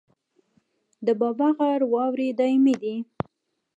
د بابا غر واورې دایمي دي